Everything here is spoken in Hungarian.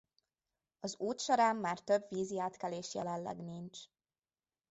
Az út során már több vízi átkelés jelenleg nincs.